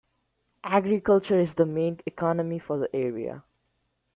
Agriculture is the main economy for the area.